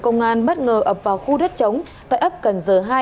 công an bất ngờ ập vào khu đất chống tại ấp cần giờ hai